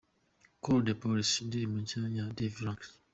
'Call The Police' indirimbo nshya ya Davy Ranks.